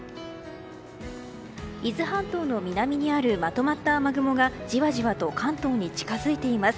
伊豆半島の南にあるまとまった雨雲がじわじわと関東に近づいています。